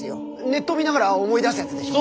ネット見ながら思い出すやつでしょ。